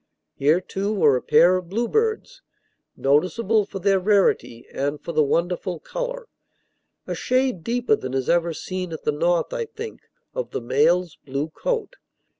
Here, too, were a pair of bluebirds, noticeable for their rarity, and for the wonderful color a shade deeper than is ever seen at the North, I think of the male's blue coat.